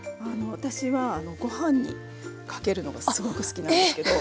私はご飯にかけるのがすごく好きなんですけど。